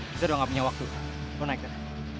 kita doang gak punya waktu gue naik deh